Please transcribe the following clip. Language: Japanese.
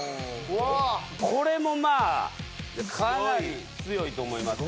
これもまあかなり強いと思いますよ。